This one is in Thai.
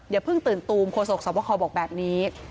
อย่าเพิ่งตื่นตูมโฆษกสวบคอบอกแบบนี้